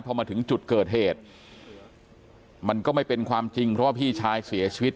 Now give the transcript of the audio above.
พอมาถึงจุดเกิดเหตุมันก็ไม่เป็นความจริงเพราะว่าพี่ชายเสียชีวิต